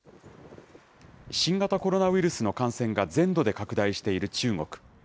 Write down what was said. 新型コロナウイルスの感染が全土で拡大している中国。